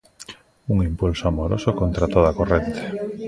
Un impulso amoroso contra toda corrente.